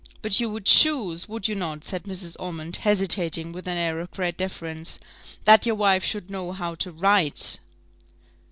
"But you would choose, would not you," said Mrs. Ormond, hesitating with an air of great deference, "that your wife should know how to write?"